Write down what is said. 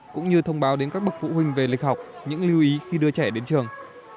cũng như thông báo đến các bậc phụ huynh về lịch học những lưu ý khi đưa trẻ đến trường